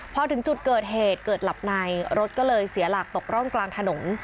พอถึงจุดเกิดเหตุเกิดหลับในรถก็เลยเสียหลักตกร่องกลางถนน